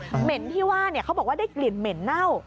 เหม็นที่ว่าเขาบอกว่าได้กลิ่นเหม็นเน่า